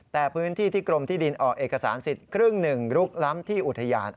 แต่พื้นที่ที่กรมที่ดินออกเอกสารสิทธิ์ครึ่งหนึ่งลุกล้ำที่อุทยาน